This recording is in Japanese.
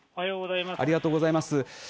ありがとうございます。